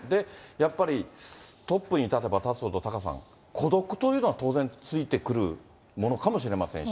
やっぱり、トップに立てば立つほどタカさん、孤独というのは当然ついてくるものかもしれませんし。